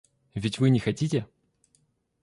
Ведь вы не хотите?